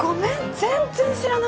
全然知らなくて！